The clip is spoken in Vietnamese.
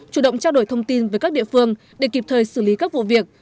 chủ động trao đổi thông tin với các địa phương để kịp thời xử lý các vụ việc